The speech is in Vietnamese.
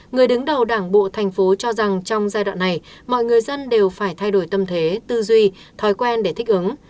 người đứng đầu đảng bộ thành phố cho rằng trong giai đoạn này mọi người dân đều phải thay đổi tâm thế tư duy thói quen để thích ứng